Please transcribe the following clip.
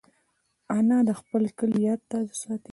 انا د خپل کلي یاد تازه ساتي